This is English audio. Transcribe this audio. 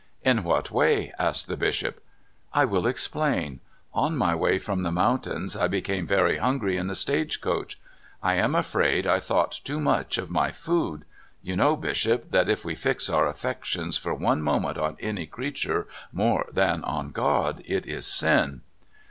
" In what way? " asked the bishop. "I will explain: On my way from the moun tains I became very hungry in the stagecoach. I am afraid I thought too much of m}^ food. You know. Bishop, that if we lix our affections for one moment on any creature more than on God, it is sin."